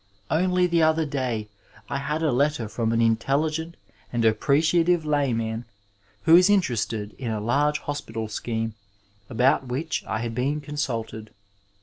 Only the other day I had a letter from an intelligent and appreciative layman who is interested in a large hospital scheme about which I had been consulted.